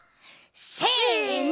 せの！